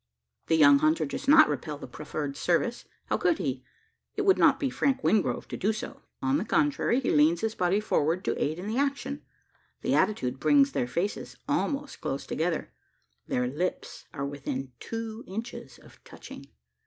The young hunter does not repel the proffered service how could he? It would not be Frank Wingrove to do so. On the contrary, he leans his body forward to aid in the action. The attitude brings their faces almost close together: their lips are within two inches of touching!